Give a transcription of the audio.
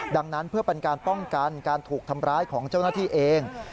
ดังนั้นเพื่อเป็นการป้องกันการถูกทำร้ายของเจ้าหน้าที่เอง